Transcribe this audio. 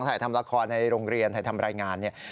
ถ่ายทำละครในโรงเรียนถ่ายทำรายงานเนี่ย